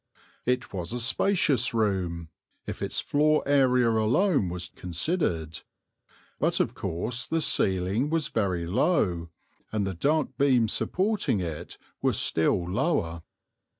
It was a spacious room, if its floor area alone was considered; but of course the ceiling was very low, and the dark beams supporting it were still lower.